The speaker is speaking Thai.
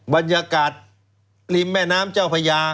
บรรยากาศริมแม่น้ำเจ้าพญา